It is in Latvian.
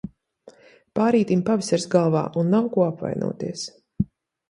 Pārītim pavasaris galvā un nav ko apvainoties.